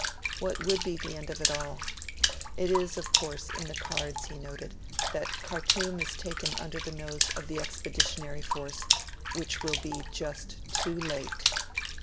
What would be the end of it all? 'It is, of course, on the cards,' he noted, 'that Khartoum is taken under the nose of the Expeditionary Force, which will be JUST TOO LATE.'